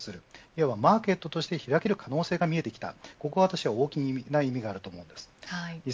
いわばマーケットとして開ける可能性が見えてきた大きな意味があると思います。